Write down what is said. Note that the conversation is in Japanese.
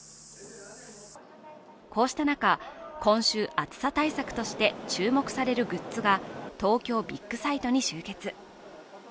こうした中、今週暑さ対策として注目されるグッズが東京ビッグサイトに集結。